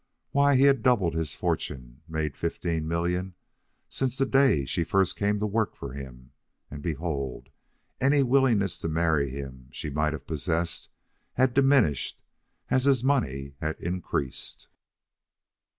Why, he had doubled his fortune, made fifteen millions, since the day she first came to work for him, and behold, any willingness to marry him she might have possessed had diminished as his money had increased.